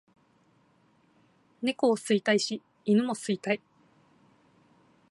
猫を吸いたいし犬も吸いたい